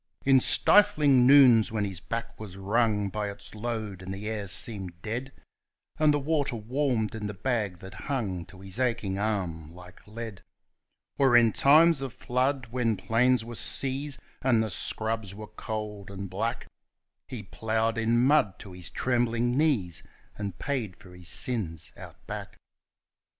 In stifling noons when his back was wrung by its load, and the air seemed dead, And the water warmed in the bag that hung to his aching arm like lead, Or in times of flood, when plains were seas, and the scrubs were cold and black, He ploughed in mud to his trembling knees, and paid for his sins Out Back.